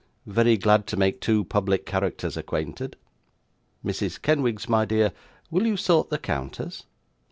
Very glad to make two public characters acquainted! Mrs. Kenwigs, my dear, will you sort the counters?